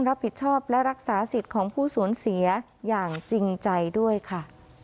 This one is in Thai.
รับผิดชอบและรักษาสิทธิ์ของผู้สูญเสียอย่างจริงใจด้วยค่ะ